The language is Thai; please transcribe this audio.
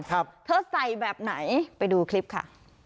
ครับเธอใส่แบบไหนไปดูคลิปค่ะ